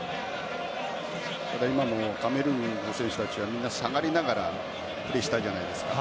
今もカメルーンの選手たちはみんな下がりながらプレーしていたんじゃないですか。